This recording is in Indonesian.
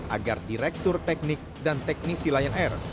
agar direktur teknik dan teknisi lion air